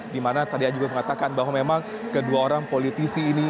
dimana tadi anda juga mengatakan bahwa memang kedua orang politisi ini